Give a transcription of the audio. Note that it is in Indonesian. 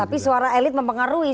tapi suara elit mempengaruhi suara elit